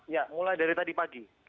ya mulai dari tadi pagi